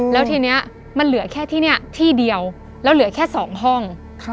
แล้วทีนี้มันเหลือแค่ที่นี่ที่เดียวแล้วเหลือแค่๒ห้อง